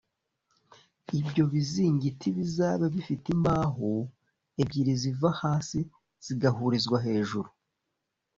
ibyo bizingiti bizabe bifite imbaho ebyiri ziva hasi zigahurizwa hejuru